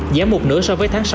giảm một nửa so với tháng sáu